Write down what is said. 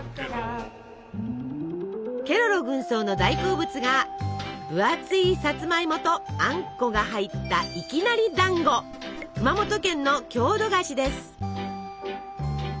ケロロ軍曹の大好物が分厚いさつまいもとあんこが入った熊本県の郷土菓子です。